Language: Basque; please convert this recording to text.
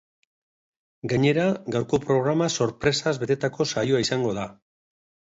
Gainera, gaurko programa sorpresaz betetako saioa izango da.